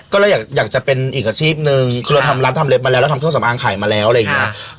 ก็เลยอยากจะเป็นอีกอาชีพนึงคือเราทำร้านทำเล็บมาแล้วแล้วทำเครื่องสำอางขายมาแล้วอะไรอย่างนี้